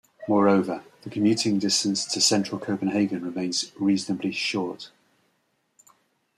Moreover, the commuting distance to central Copenhagen remains reasonably short.